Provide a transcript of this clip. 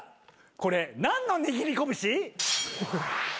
これなんの握り拳？